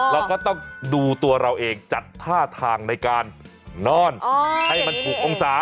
เราก็ต้องดูตัวเราเองจัดท่าทางในการนอนให้มันถูกองศา